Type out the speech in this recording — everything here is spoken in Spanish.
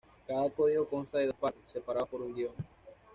Cada código consta de dos partes, separados por un guion.